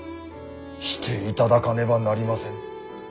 していただかねばなりません。